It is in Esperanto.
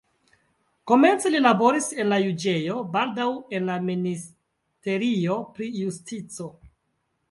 Komence li laboris en la juĝejo, baldaŭ en la ministerio pri justico.